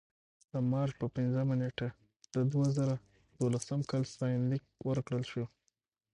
د مارچ په پنځمه نېټه د دوه زره دولسم کال ستاینلیک ورکړل شو.